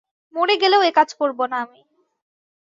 মরে গেলেও একাজ করব না আমি।